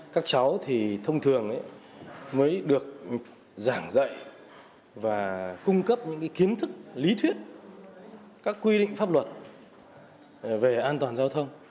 các cháu thì thông thường mới được giảng dạy và cung cấp những kiến thức lý thuyết các quy định pháp luật về an toàn giao thông